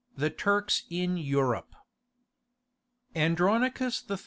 THE TURKS IN EUROPE. Andronicus III.